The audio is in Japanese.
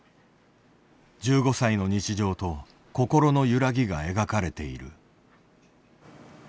１５歳の日常と心の揺らぎが描かれている。